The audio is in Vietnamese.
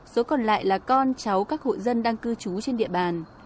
số còn lại là con cháu các hộ dân đang cư trú trên địa bàn